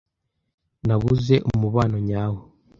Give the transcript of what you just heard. Nabuze umubano nyawo;